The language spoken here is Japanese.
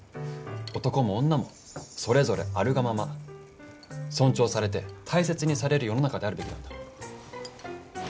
男も女もそれぞれあるがまま尊重されて大切にされる世の中であるべきなんだ。